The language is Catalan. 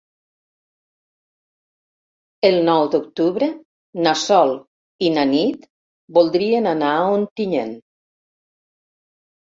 El nou d'octubre na Sol i na Nit voldrien anar a Ontinyent.